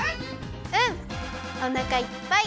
うんおなかいっぱい！